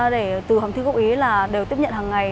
để từ hầm thư gốc ý là đều tiếp nhận hằng ngày